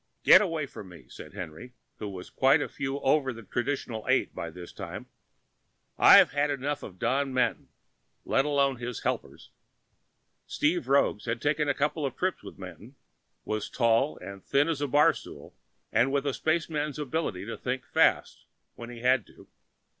"Get away from me!" said Henry, who was quite a few over the traditional eight by this time. "I've had enough of Don Manton, let alone his helpers." Speed Roggs, who had taken a couple of trips with Manton, was tall and thin as the barstool, and with a spaceman's ability to think fast when he had to.